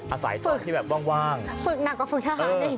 อาศัยจุดที่แบบว่างฝึกหนักกว่าฝึกทหาร